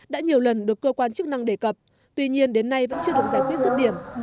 đã nhiều lần được cơ quan chức năng đề cập tuy nhiên đến nay vẫn chưa được giải quyết rứt điểm